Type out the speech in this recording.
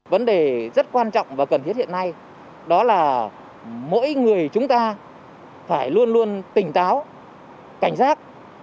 vấn đề rất quan trọng và cần thiết hiện nay đó là mỗi người chúng ta phải luôn luôn tỉnh táo cảnh giác